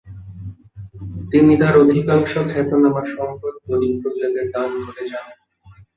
তিনি তার অধিকাংশ খ্যাতনামা সম্পদ গরিব প্রজাদের দান করে যান।